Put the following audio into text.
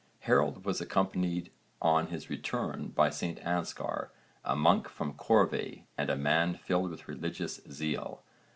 Harold was accompanied on his return by St Anskar, a monk from Corvey and a man filled with religious zeal.